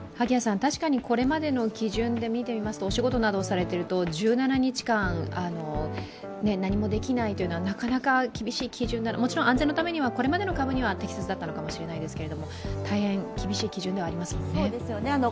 確かにこれまでの基準で見てみますと、お仕事などをしていると１７日間、何もできないというのはなかなかもちろん安全のためには、これまでの株には適切だったのかもしれないんですが、大変厳しい基準ではありますもんね。